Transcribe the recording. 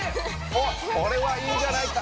おっこれはいいんじゃないか？